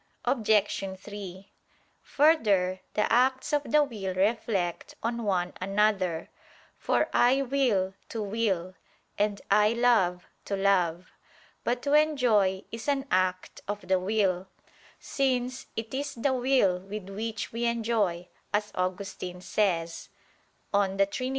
Obj. 3: Further, the acts of the will reflect on one another; for I will to will, and I love to love. But to enjoy is an act of the will: since "it is the will with which we enjoy," as Augustine says (De Trin.